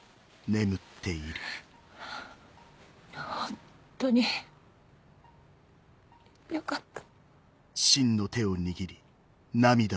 ホントによかった。